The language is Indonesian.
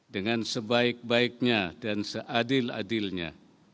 dengan sebaik baiknya dan seadil adilnya